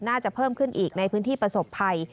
เพิ่มขึ้นอีกในพื้นที่ประสบภัย